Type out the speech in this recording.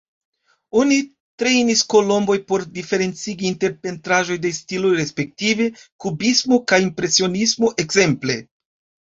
Oni trejnis kolomboj por diferencigi inter pentraĵoj de stiloj respektive kubismo kaj impresionismo ekzemple.